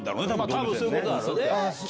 多分そういうことだろうね。